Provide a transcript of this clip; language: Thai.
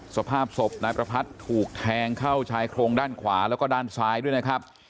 สภาพศพนายประพัทธ์ถูกแทงเข้าชายโครงด้านขวาแล้วก็ด้านซ้ายด้วยนะครับ